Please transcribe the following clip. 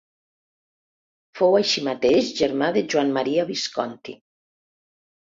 Fou, així mateix, germà de Joan Maria Visconti.